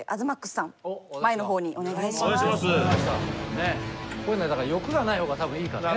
ねえこういうのはだから欲がない方が多分いいからね。